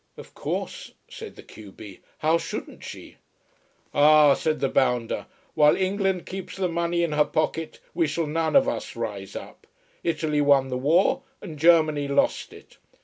"Of course," said the q b. "How shouldn't she?" "Ah," said the bounder, "while England keeps the money in her pocket, we shall none of us rise up. Italy won the war, and Germany lost it.